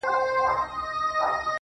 روح مي خبري وکړې روح مي په سندرو ويل~